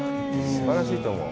すばらしいと思う。